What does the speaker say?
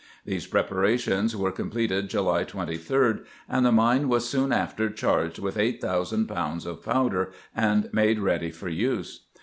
These prepara tions were completed July 23, and the mine was soon after charged with eight thousand pounds of powder, and made ready for use.